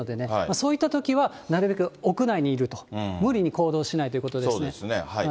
そういったときは、なるべく屋内にいると、無理に行動しないということですね。